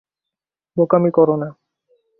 বোকামি করো না।